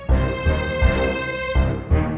terima kasih bang